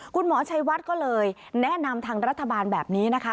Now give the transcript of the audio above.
คุณหมอชัยวัดก็เลยแนะนำทางรัฐบาลแบบนี้นะคะ